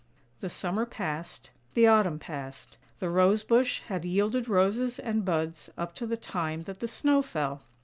The summer passed, the autumn passed; the Rose bush had yielded roses and buds up to the time that the snow fell.